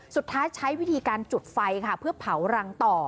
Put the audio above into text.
สุดท้ายใช้วิธีการจุดไฟเพื่อเผารังต่อ